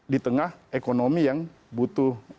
di tengah ekonomi yang butuh